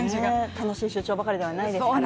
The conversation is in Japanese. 楽しい出張ばかりではないですからね。